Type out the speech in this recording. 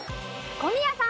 小宮さん。